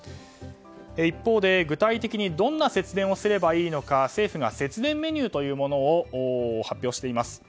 一方で具体的にどんな節電をすればいいのか政府が節電メニューというものを発表しています。